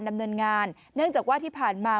ดำเนินงานเนื่องจากว่าที่ผ่านมา